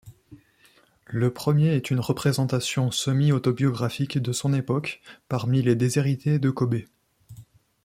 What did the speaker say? Le premier est une représentation semi-autobiographique de son époque parmi les déshérités de Kobé.